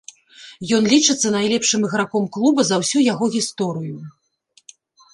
Ён лічыцца найлепшым іграком клуба за ўсю яго гісторыю.